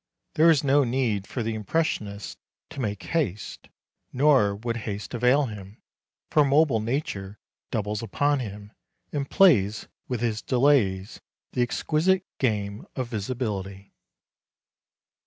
There is no need for the impressionist to make haste, nor would haste avail him, for mobile nature doubles upon him, and plays with his delays the exquisite game of visibility.